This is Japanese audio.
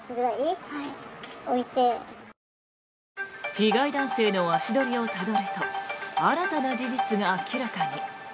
被害男性の足取りをたどると新たな事実が明らかに。